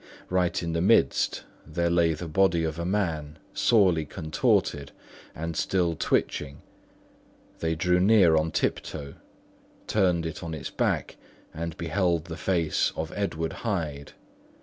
Right in the middle there lay the body of a man sorely contorted and still twitching. They drew near on tiptoe, turned it on its back and beheld the face of Edward Hyde.